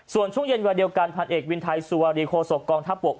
ส่วนช่วงเย็นวันเดียวกันพันเอกวินไทยสุวารีโคศกองทัพบก